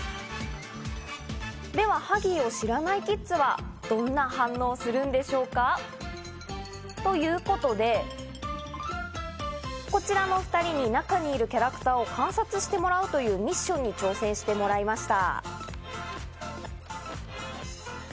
ではハギーを知らないキッズはどんな反応をするんでしょうか？ということで、こちらの２人に、中にいるキャラクターを観察してもらおうというミッションに挑戦してもらいました。